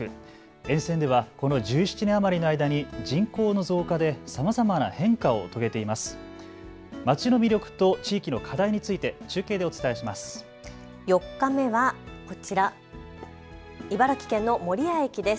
沿線ではこの１７年余りの間に人口の増加でさまざまな変化を遂げています。